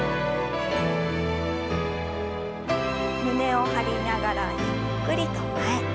胸を張りながらゆっくりと前。